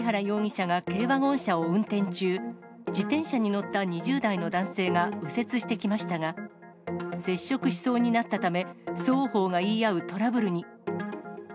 容疑者軽ワゴン車を運転中、自転車に乗った２０代の男性が右折してきましたが、接触しそうになったため、双方が言い合うトラブルに。